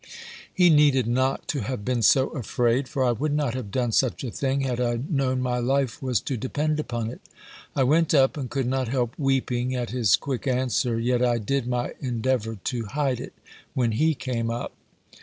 He needed not to have been so afraid; for I would not have done such a thing had I known my life was to depend upon it. I went up, and could not help weeping at his quick answer; yet I did my endeavour to hide it, when he came up.